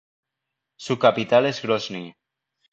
Su capital es Grozni.